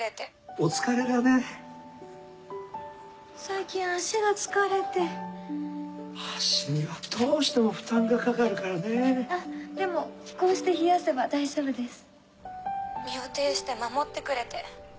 お疲れだね最近脚が疲れて脚にはどうしても負担が掛かるからねでもこうして冷やせば大丈夫です身をていして守ってくれて。